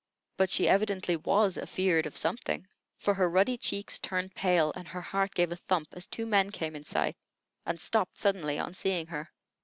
But she evidently was "afeard" of something, for her ruddy cheeks turned pale and her heart gave a thump, as two men came in sight, and stopped suddenly on seeing her.